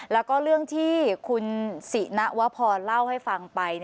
แล้วก็เรื่องที่คุณสินวพรเล่าให้ฟังไป